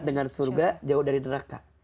dengan surga jauh dari neraka